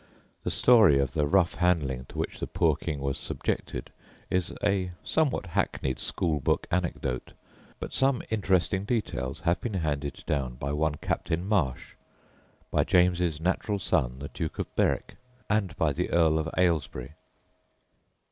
The story of the rough handling to which the poor king was subjected is a somewhat hackneyed school book anecdote, but some interesting details have been handed down by one Captain Marsh, by James's natural son the Duke of Berwick, and by the Earl of Ailesbury.